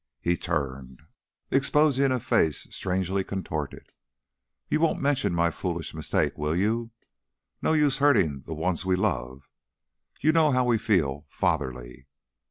He turned, exposing a face strangely contorted. "You won't mention my foolish mistake, will you? No use hurting the ones we love. You know how we feel fatherly.